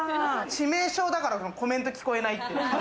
致命傷だから、コメント聞こえないって。